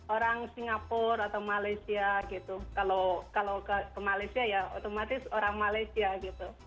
orang singapura clothes tidak gitu kalau kalau ke malaysia otomatis orang malaysia gitu